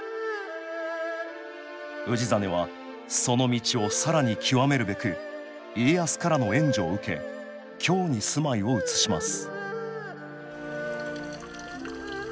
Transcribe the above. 氏真はその道を更に究めるべく家康からの援助を受け京に住まいを移します